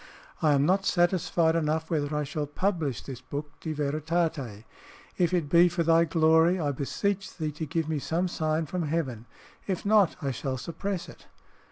I am not satisfied enough whether I shall publish this book, De Veritate. If it be for thy glory, I beseech thee to give me some sign from heaven; if not, I shall suppress it!